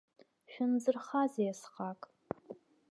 Шәынзырхазеи асҟак?